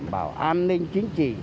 bảo an ninh chính trị